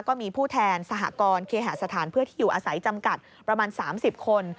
ก็มีผู้แทนสหกรณ์เคหาสถานเพื่อที่อยู่อาศัยจำกัดประมาณ๓๐คน